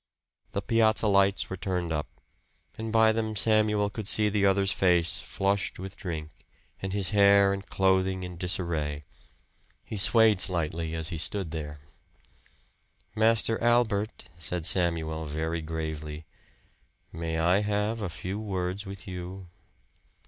The piazza lights were turned up, and by them Samuel could see the other's face, flushed with drink, and his hair and clothing in disarray. He swayed slightly as he stood there. "Master Albert," said Samuel very gravely, "May I have a few words with you?"